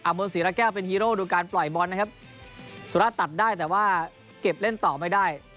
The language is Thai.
เมืองศรีระแก้วเป็นฮีโร่ดูการปล่อยบอลนะครับสุราชตัดได้แต่ว่าเก็บเล่นต่อไม่ได้